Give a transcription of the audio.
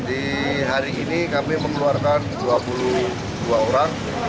jadi hari ini kami mengeluarkan dua puluh dua orang